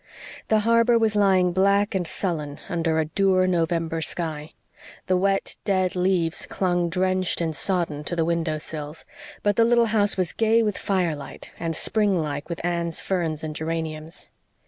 The harbor was lying black and sullen under a dour November sky; the wet, dead leaves clung drenched and sodden to the window sills; but the little house was gay with firelight and spring like with Anne's ferns and geraniums.